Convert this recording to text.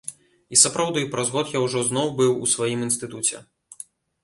І сапраўды, праз год я ўжо зноў быў у сваім інстытуце.